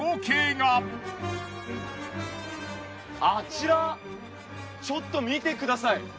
あちらちょっと見てください！